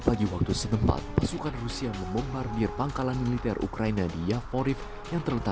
perlagu serait ber promisedi berbahaya setelah lukisan europhayat